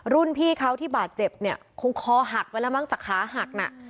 รุ่นพี่เขาที่บาดเจ็บเนี่ยคงคอหักไปแล้วมั้งจากขาหักน่ะ